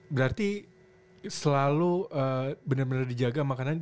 berarti selalu bener bener dijaga makanan